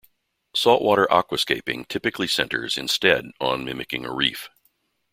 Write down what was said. Saltwater aquascaping typically centers, instead, on mimicking a reef.